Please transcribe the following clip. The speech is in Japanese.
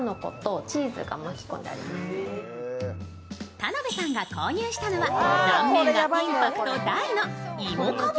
田辺さんが購入したのは、断面がインパクト大の芋南瓜小豆。